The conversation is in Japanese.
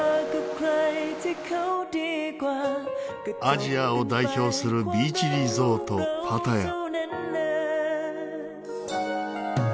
アジアを代表するビーチリゾートパタヤ。